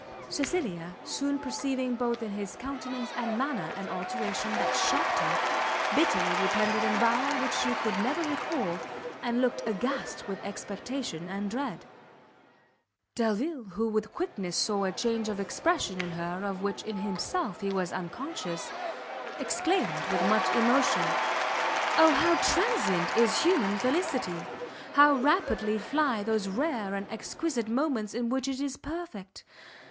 Cecilia, soon perceiving both in his countenance and manner an alteration that shocked her, bitterly repented an avowal she could never recall, and looked aghast with expectation and dread. Delvile, who with quickness saw a change of expression in her of which in himself he was unconscious, exclaimed, with much emotion, "O how transient is human felicity! How rapidly fly those rare and exquisite moments in which it is perfect!